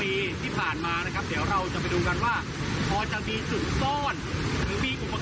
เดี๋ยวเราจะไปดูกันว่าพอจะมีสุดซ่อน